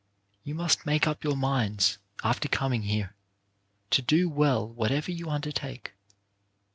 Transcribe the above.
You must make up your minds, after coming here, to do well whatever you undertake.